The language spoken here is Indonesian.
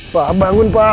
pak bangun pak